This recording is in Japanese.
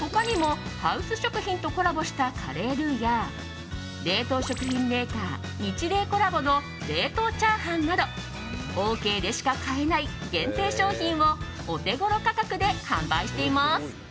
他にも、ハウス食品とコラボしたカレールーや冷凍食品メーカーニチレイコラボの冷凍チャーハンなどオーケーでしか買えない限定商品をオテゴロ価格で販売しています。